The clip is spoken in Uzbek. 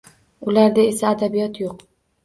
Ularda esa adabiyot yo’q